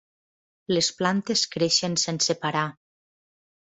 Les plantes creixen sense parar.